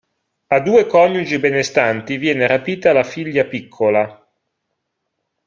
A due coniugi benestanti viene rapita la figlia piccola.